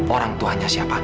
orang tuanya siapa